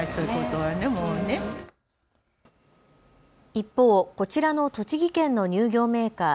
一方、こちらの栃木県の乳業メーカー。